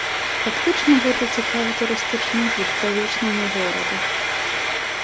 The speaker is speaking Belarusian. Фактычна гэта цікавы турыстычны гід па вечнаму гораду.